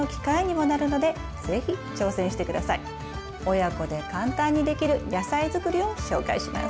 親子で簡単にできる野菜づくりを紹介します。